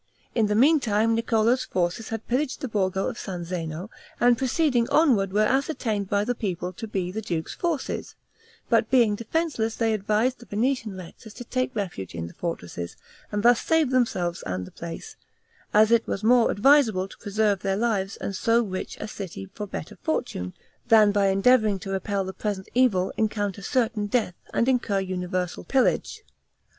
In the meantime, Niccolo's forces had pillaged the Borgo of San Zeno; and proceeding onward were ascertained by the people to be the duke's forces, but being defenseless they advised the Venetian rectors to take refuge in the fortresses, and thus save themselves and the place; as it was more advisable to preserve their lives and so rich a city for better fortune, than by endeavoring to repel the present evil, encounter certain death, and incur universal pillage.